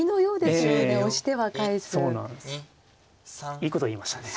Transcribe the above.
いいこと言いましたね。